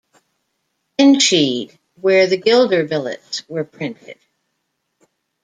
Enschede where the guilder billets were printed.